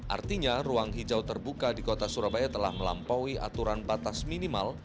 artinya ruang hijau terbuka di kota surabaya telah melampaui aturan batas minimal